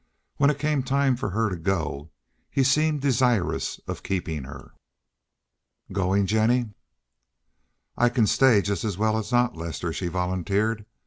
When it came time for her to go he seemed desirous of keeping her. "Going, Jennie?" "I can stay just as well as not, Lester," she volunteered.